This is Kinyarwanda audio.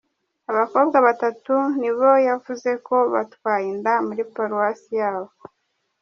Abakobwa batatu nibo yavuze ko batwaye inda muri Paruwasi yabo.